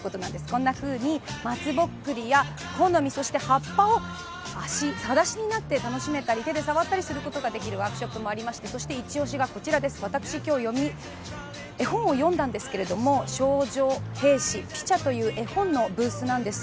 こんなふうにまつぼっくりや木の実、そして葉っぱを、はだしになって楽しめたり、手で触ったりすることができるワークショップもありましてそしていちおしがこちらです、私、今日、絵本を読んだんですけど、「少女兵士ピチャ」という絵本のブースなんです。